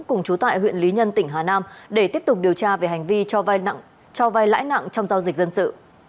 cùng chú tại huyện lý nhân tỉnh hà nam để tiếp tục điều tra về hành vi cho vai lãi nặng trong giao dịch dân sự